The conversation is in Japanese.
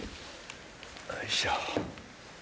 よいしょ。